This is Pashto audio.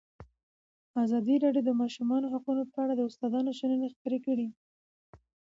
ازادي راډیو د د ماشومانو حقونه په اړه د استادانو شننې خپرې کړي.